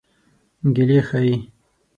ګیلې ښيي.